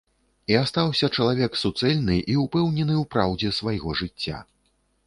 І астаўся чалавек суцэльны і ўпэўнены ў праўдзе свайго жыцця.